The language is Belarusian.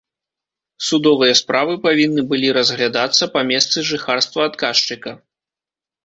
Судовыя справы павінны былі разглядацца па месцы жыхарства адказчыка.